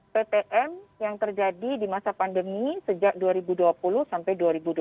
ptm yang terjadi di masa pandemi sejak dua ribu dua puluh sampai dua ribu dua puluh